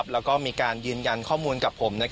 แล้วก็มีการยืนยันข้อมูลกับผม